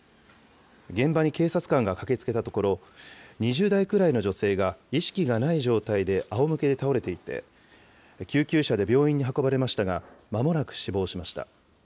現場に警察官が駆けつけたところ、２０代くらいの女性が意識がない状態であおむけで倒れていて、救急車で病院に運ばれましたがまもなく死亡しました。